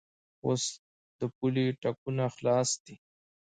اوس د پولې ټکونه خلاص دي.